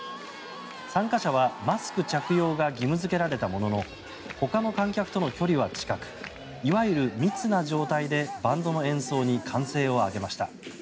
参加者はマスク着用が義務付けられたもののほかの観客との距離は近くいわゆる密な状態でバンドの演奏に歓声を上げました。